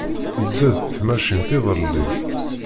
Yedda d tmacint iḍelli.